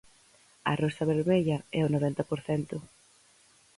A rosa vermella é o noventa por cento.